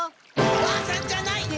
おばあさんじゃない！